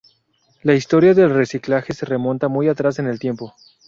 La historia del reciclaje se remonta muy atrás en el tiempo.